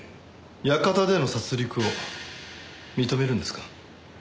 館での殺戮を認めるんですか？